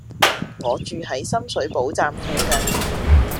我住喺深水埗站附近